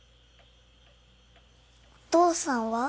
お父さんは？